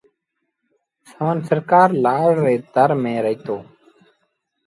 سمن سرڪآر لآڙ ري تر ميݩ رهيتو۔